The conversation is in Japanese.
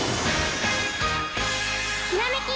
ひらめき！